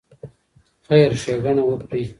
خیر ښېګڼه وکړئ.